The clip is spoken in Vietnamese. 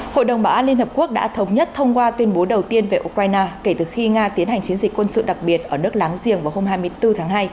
hội đồng bảo an liên hợp quốc đã thống nhất thông qua tuyên bố đầu tiên về ukraine kể từ khi nga tiến hành chiến dịch quân sự đặc biệt ở nước láng giềng vào hôm hai mươi bốn tháng hai